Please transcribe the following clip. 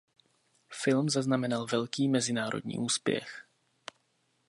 Film zaznamenal velký mezinárodní úspěch.